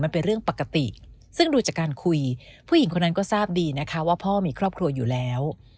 ผู้หญิงคนนั้นก็ทราบดีนะคะว่าพ่อมีครอบครัวอยู่แล้ว